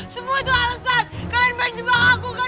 semua itu alasan kalian berjebak aku kan